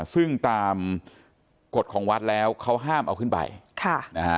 ซึ่งตามกฎของวัดแล้วเขาห้ามเอาขึ้นไปค่ะนะฮะ